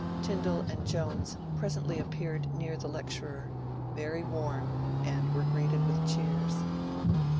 Tyn dall and Jones presently appeared near the lecturer, very warm, and were greeted with cheers.